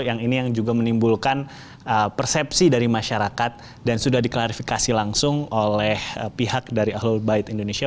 yang ini yang juga menimbulkan persepsi dari masyarakat dan sudah diklarifikasi langsung oleh pihak dari ahlul bait indonesia